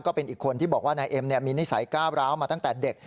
ก็เป็นอีกคนที่บอกว่านายเอ็มมีนิสัยก้าวร้าวมาตั้งแต่เด็ก